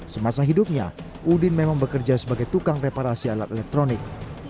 semasa hidupnya udin memang bekerja sebagai tukang reparasi alat elektronik